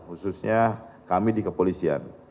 khususnya kami di kepolisian